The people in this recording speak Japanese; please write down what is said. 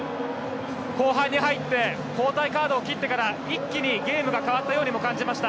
後半に入って交代カードを切ってから一気にゲームが変わったようにも感じました。